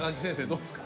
どうですか？